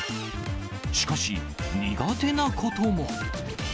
しかし、苦手なことも。